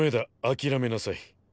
諦めなさい。